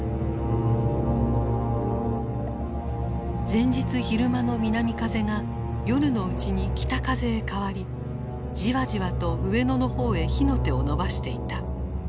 前日昼間の南風が夜のうちに北風へ変わりじわじわと上野の方へ火の手を伸ばしていた。